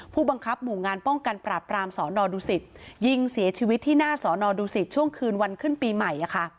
ผู้บังคับหมู่งานป้องกันปราบรามสอนอดูสิตยิงเสียชีวิตที่หน้าสอนอดูสิตช่วงคืนวันขึ้นปีใหม่